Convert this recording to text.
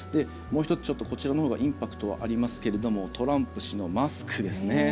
もう１つ、こちらのほうがインパクトはありますけれどもトランプ氏のマスクですね。